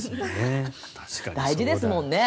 大事ですもんね。